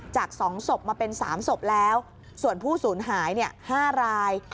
จากสองศพมาเป็นสามศพแล้วส่วนผู้ศูนย์หายเนี่ย๕ราย